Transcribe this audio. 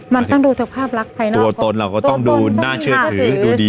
มันต้องดูจากภาพลักษณ์ภายนอกตัวตนเราก็ต้องดูน่าเชื่อถือดูดี